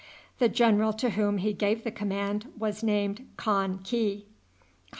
The general to whom he gave the command was named Kan ki.